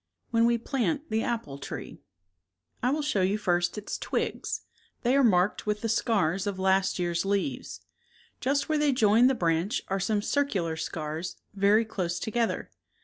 When we plant the apple tree. I will show you first its ' twigs. They are marked with the scars of last year's leaves. Just where they join the branch are some circular scars, very close together.